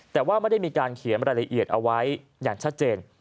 แต่ว่าไม่ได้มีการเขียนรายละเอียดเอาไว้อย่างชัดเจน